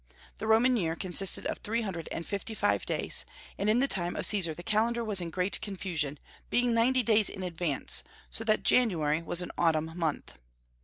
The Roman year consisted of three hundred and fifty five days; and in the time of Caesar the calendar was in great confusion, being ninety days in advance, so that January was an autumn month.